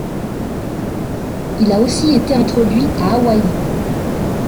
Il a aussi été introduit à Hawaï.